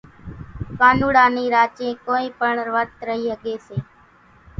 ڪانوڙا نِي راچين ڪونئين پڻ ورت رئي ۿڳي سي